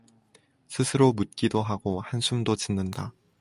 스스로 묻기도 하고 한숨도 짓는다.